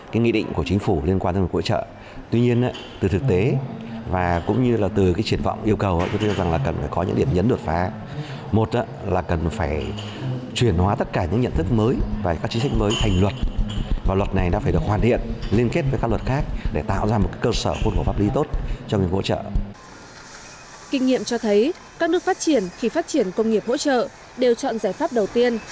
kinh nghiệm cho thấy các nước phát triển khi phát triển công nghiệp hỗ trợ đều chọn giải pháp đầu tiên